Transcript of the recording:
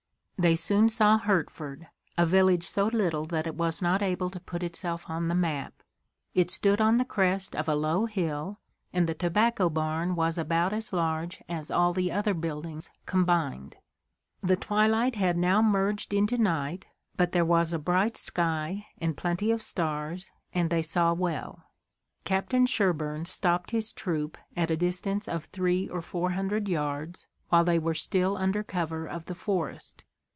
They soon saw Hertford, a village so little that it was not able to put itself on the map. It stood on the crest of a low hill, and the tobacco barn was about as large as all the other buildings combined. The twilight had now merged into night, but there was a bright sky and plenty of stars, and they saw well. Captain Sherburne stopped his troop at a distance of three or four hundred yards, while they were still under cover of the forest.